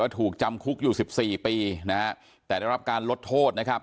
ถูกจำคุกอยู่๑๔ปีแต่ได้รับการลดโทษ